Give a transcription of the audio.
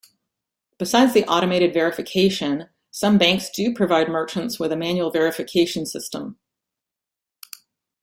Besides the automated verification, some banks do provide merchants with a manual verification system.